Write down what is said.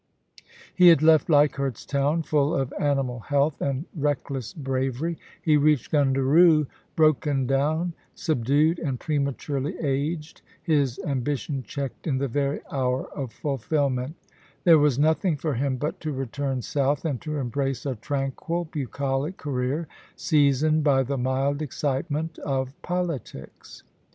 He had left Leichardt's Town full of animal health and reckless bravery; he reached Gundaroo broken down, subdued, and prematurely aged, his ambition checked in the very hour of fulfilment There was nothing for him but to return south, and to embrace a tranquil, bucolic career, seasoned by the mild excitement of politics.